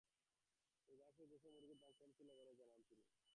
রোজার শুরুতে এসব মুরগির দাম কম ছিল বলে জানান তিনি।